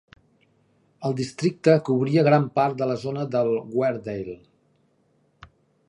El districte cobria gran part de la zona de Weardale.